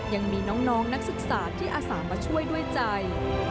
ยังมีน้องนักศึกษาที่อาสามาช่วยด้วยใจ